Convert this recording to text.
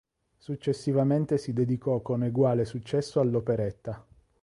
Successivamente si dedicò con eguale successo all'operetta.